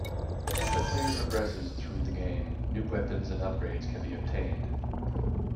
As the player progresses through the game new weapons and upgrades can be obtained.